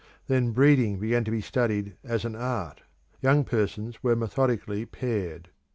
Then breeding began to be studied as an art; young persons were methodically paired.